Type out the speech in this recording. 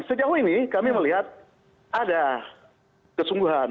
sejauh ini kami melihat ada kesungguhan